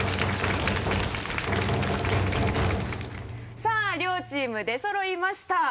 さぁ両チーム出そろいました。